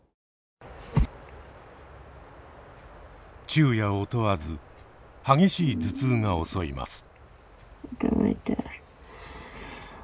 昼夜を問わず激しい頭痛が襲います。